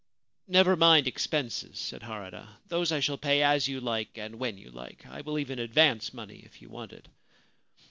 * Never mind expenses/ said Harada. ' Those I shall pay as you like and when you like ; I will even advance money if you want it.'